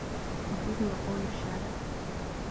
وَفِيهِ يَقُولُ الشَّاعِرُ